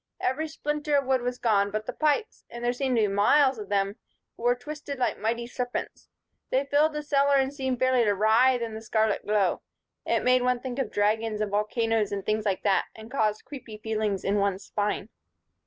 Every splinter of wood was gone; but the pipes, and there seemed to be miles of them, were twisted like mighty serpents. They filled the cellar and seemed fairly to writhe in the scarlet glow. It made one think of dragons and volcanoes and things like that; and caused creepy feelings in one's spine.